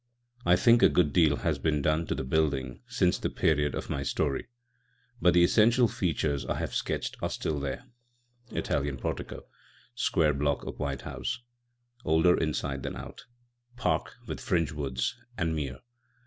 I think a good deal has been done to the building since the period of my story, but the essential features I have sketched are still there â€" Italian portico, square block of white house, older inside than out, park with fringe of woods, and mere.